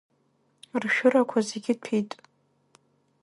Ршәырақәа зегьы ҭәит.